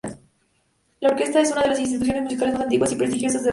La orquesta es una de las instituciones musicales más antiguas y prestigiosas de Rusia.